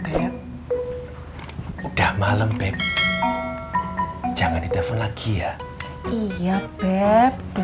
udah malem beb jangan ditelepon lagi ya iya beb udah